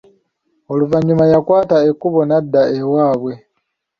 Oluvannyuma yakwata ekubo n'adda ewaabwe.